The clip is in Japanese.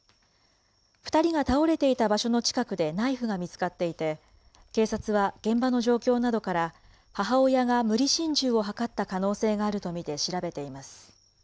２人が倒れていた場所の近くでナイフが見つかっていて、警察は現場の状況などから、母親が無理心中を図った可能性があると見て調べています。